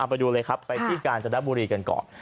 ไปดูเลยครับไปที่กาญจนบุรีกันก่อน